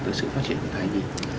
tới sự phát triển của thai gì